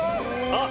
あっ！